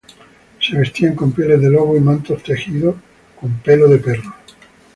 Se vestían con pieles de lobo y mantos tejidos con pelo de perro.